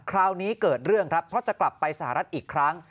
คราวนี้เกิดเรื่องครับเพราะจะกลับไปสหรัฐอีกครั้ง